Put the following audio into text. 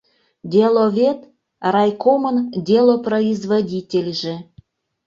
Деловед, райкомын делопроизводительже.